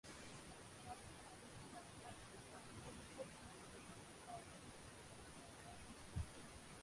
বর্তমানে বেশ কয়েকবার সংস্কার ও পুনর্নির্মাণের পর, মসজিদটির জায়গা রয়েছে।